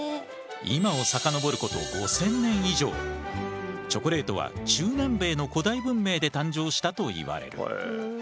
今を遡ることチョコレートは中南米の古代文明で誕生したといわれる。